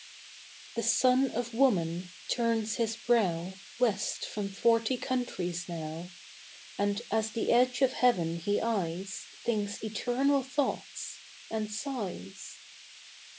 The son of woman turns his brow West from forty countries now, And, as the edge of heaven he eyes, Thinks eternal thoughts, and sighs.